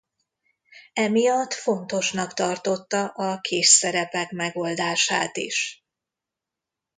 Emiatt fontosnak tartotta a kis szerepek megoldását is.